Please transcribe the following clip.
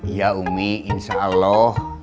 iya umi insya allah